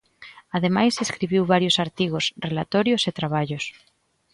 Ademais escribiu varios artigos, relatorios e traballos.